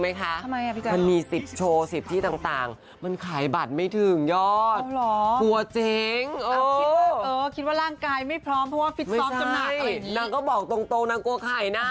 มันไม่มีอะไรแบบศัตรูสาวรหรอก